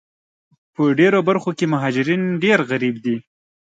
په ډېرو برخو کې مهاجرین ډېر غریب دي